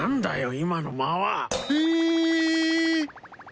今の間は。え！？